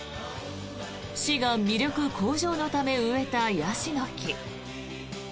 市が魅力向上のために植えたヤシの木。